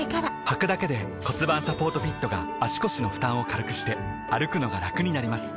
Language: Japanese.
はくだけで骨盤サポートフィットが腰の負担を軽くして歩くのがラクになります